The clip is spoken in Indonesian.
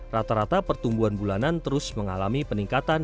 rata rata pertumbuhan bulanan terus mengalami peningkatan